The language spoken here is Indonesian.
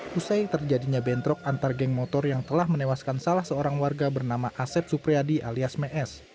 pusai terjadinya bentrok antar geng motor yang telah menewaskan salah seorang warga bernama asep supriyadi alias mes